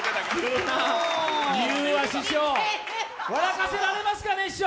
かせられますかね、師匠。